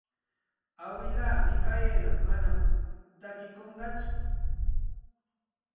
Awilaa Mikayla manam takikunqatsu.